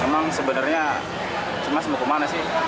emang sebenarnya mas mau ke mana sih